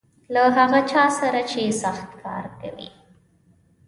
له هغه چا سره چې سخت کار کوي .